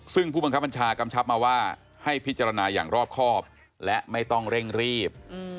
ซึ่งผู้บังคับบัญชากำชับมาว่าให้พิจารณาอย่างรอบครอบและไม่ต้องเร่งรีบ